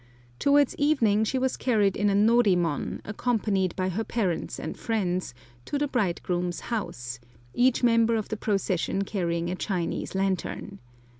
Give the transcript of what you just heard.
Towards evening she was carried in a norimon, accompanied by her parents and friends, to the bridegroom's house, each member of the procession carrying a Chinese lantern.